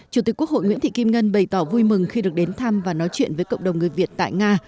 chủ tịch quốc hội nguyễn thị kim ngân bày tỏ vui mừng khi được đến thăm và nói chuyện với cộng đồng người việt tại nga